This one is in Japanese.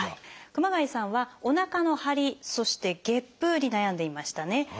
熊谷さんはおなかのハリそしてゲップに悩んでいましたね。